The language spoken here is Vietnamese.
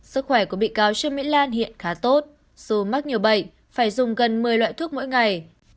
sức khỏe của bị cáo trương mỹ lan hiện khá tốt dù mắc nhiều bệnh phải dùng gần một mươi loại thuốc mỗi ngày